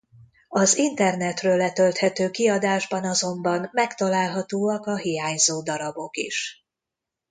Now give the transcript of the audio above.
Az internetről letölthető kiadásban azonban megtalálhatóak a hiányzó darabok is.